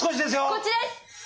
こっちです！